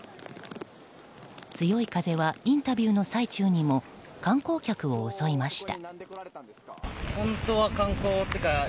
強い風はインタビューの最中にも観光客を襲いました。